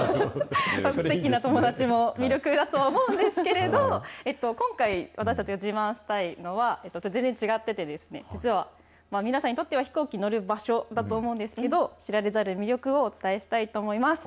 すてきな友達も魅力だとは思うんですけれども、今回、私たちが自慢したいのは、全然違ってて、実は、皆さんにとっては飛行機、乗る場所だと思うんですけど、知られざる魅力をお伝えしたいと思います。